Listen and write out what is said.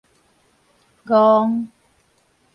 戇